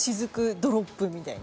ドロップみたいな。